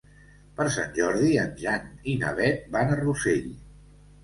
Per Sant Jordi en Jan i na Beth van a Rossell.